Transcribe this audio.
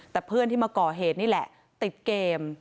แต่เพื่อนที่มาก่อเหตุนี่แหละติดเกม